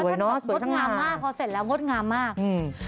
สวยเนอะสวยข้างหน้าพอเสร็จแล้วสวยข้างหน้ามากอืม